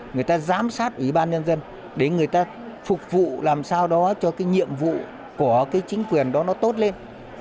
người ta giám sát ủy ban nhân dân để người ta phục vụ làm sao đó cho cái nhiệm vụ của cái chính quyền đó nó tốt lên